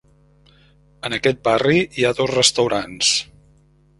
En aquest barri hi ha dos restaurants.